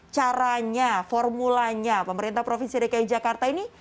caranya formulanya pemerintah provinsi dki jakarta ini